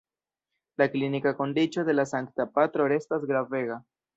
La klinika kondiĉo de la Sankta Patro restas gravega.